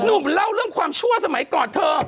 หนุ่มเล่าเรื่องความชั่วสมัยก่อนเธอ